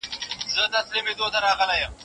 ستاسو په خبرو کي به نورو ته هوساینه وي.